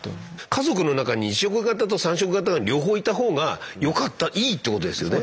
家族の中に２色型と３色型が両方いた方がよかったいいってことですよね。